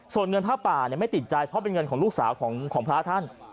ส่วนเงินผ้าป่าไม่ติดใจเพราะเป็นเงินของลูกสาวของพระท่าน